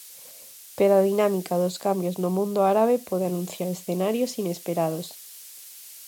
Pero a dinámica dos cambios no mundo árabe pode anunciar escenarios inesperados.